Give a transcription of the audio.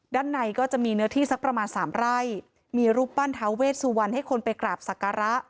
ด้านในก็จะมีเนื้อที่สักประมาณสามไร่มีรูปปั้นท้าเวชสุวรรณให้คนไปกราบศักระ